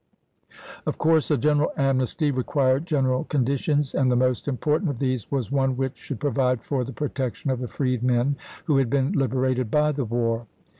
Of course a general amnesty required general con ditions ; and the most important of these was one which should provide for the protection of the freedmen who had been liberated by the war.